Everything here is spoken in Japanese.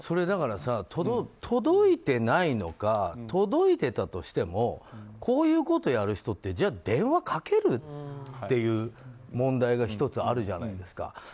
だからさ、届いてないのか届いてたとしてもこういうことをする人ってじゃあ、電話かける？っていう問題が１つあるじゃないですか。